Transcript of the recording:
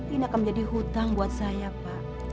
ini akan menjadi hutang buat saya pak